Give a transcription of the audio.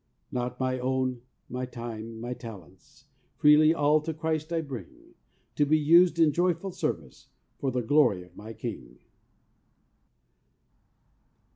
Not my own, my time, my talents Freely all to Christ I bring, To be used in joyful service, For the glory of my King.